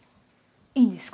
いいんですか？